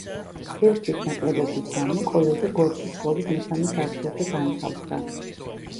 სივრცის ნაკლებობის გამო, კოლეჯი გორკის სკოლის მესამე სართულზე განთავსდა.